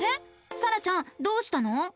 さらちゃんどうしたの？